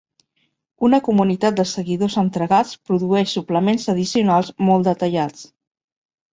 Una comunitat de seguidors entregats produeix suplements addicionals molt detallats.